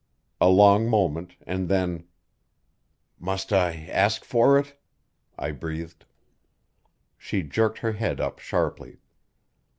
A long moment, and then, "Must I ask for it?" I breathed. She jerked her head up sharply.